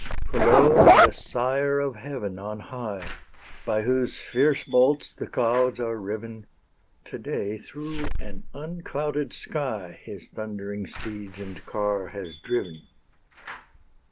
For lo! the Sire of heaven on high, By whose fierce bolts the clouds are riven, To day through an unclouded sky His thundering steeds and car has driven.